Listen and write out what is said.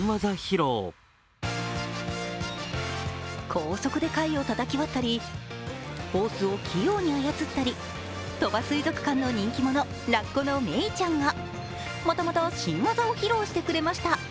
高速で貝をたたき割ったりホースを器用に操ったり鳥羽水族館の人気者、ラッコのメイちゃんがまたまた新技を披露してくれました。